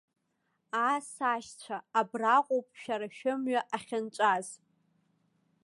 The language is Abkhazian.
Аа, сашьцәа, абраҟоуп шәара шәымҩа ахьынҵәаз.